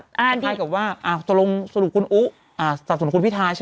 คล้ายกับว่าตรงสนุกคุณอุ๊ก